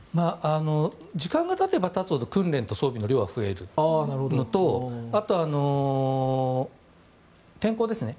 時間がたてばたつほど訓練と装備の量は増えるのとあとは、天候ですね。